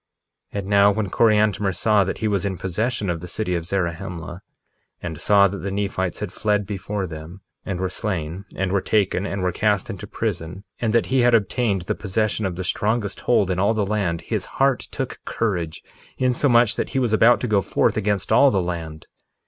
1:22 And now when Coriantumr saw that he was in possession of the city of Zarahemla, and saw that the Nephites had fled before them, and were slain, and were taken, and were cast into prison, and that he had obtained the possession of the strongest hold in all the land, his heart took courage insomuch that he was about to go forth against all the land.